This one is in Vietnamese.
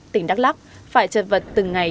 tỉnh đắk lắc phải trật vật từng ngày